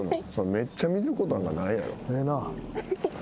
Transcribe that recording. めっちゃ見ることなんかないやろ。